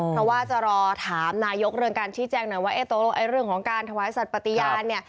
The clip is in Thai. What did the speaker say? เพราะว่าจะรอถามนายกเรื่องการชี้แจ้งหน่อยว่าตกลงเรื่องของการถวายสัตว์ปฏิญาณเนี่ย